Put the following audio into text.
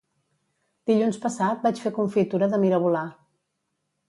Dilluns passat vaig fer confitura de mirabolà